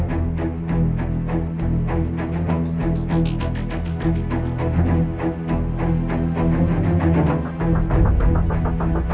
aku mau ke rumah